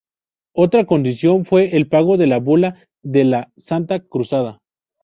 Otra condición fue el pago de la Bula de la Santa Cruzada.